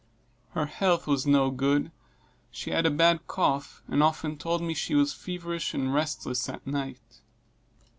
Her health was not good she had a bad cough, and often told me she was feverish and restless at night.